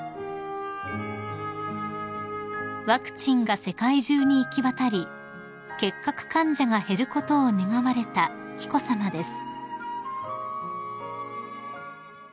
［ワクチンが世界中に行き渡り結核患者が減ることを願われた紀子さまです］